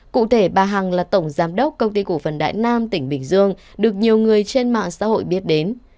cụ thể bà hằng là tổng giám đốc công ty cổ phần đại nam tỉnh bình dương được nhiều người trên mạng xã hội biết đến